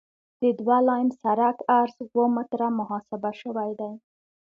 د دوه لاین سرک عرض اوه متره محاسبه شوی دی